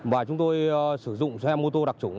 và chúng tôi sử dụng xe mô tô đặc trủng